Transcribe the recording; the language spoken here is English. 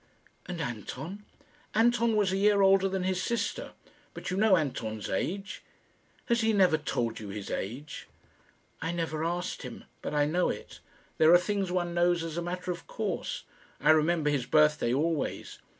"And Anton?" "Anton was a year older than his sister; but you know Anton's age. Has he never told you his age?" "I never asked him; but I know it. There are things one knows as a matter of course. I remember his birthday always."